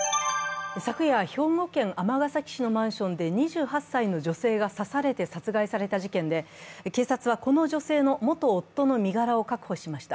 昨夜、兵庫県尼崎市のマンションで２８歳の女性が刺されて殺害された事件で、警察はこの女性の元夫の身柄を確保しました。